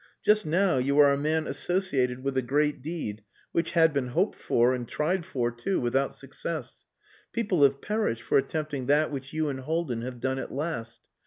Just now you are a man associated with a great deed, which had been hoped for, and tried for too, without success. People have perished for attempting that which you and Haldin have done at last.